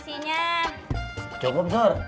bilang aja lo udah lapar